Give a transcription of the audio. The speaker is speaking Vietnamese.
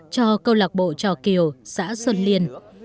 cho câu lạc bộ trò kiều xã xuân liên